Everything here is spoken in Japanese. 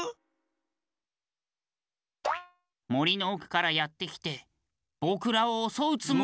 もりのおくからやってきてぼくらをおそうつもりなん。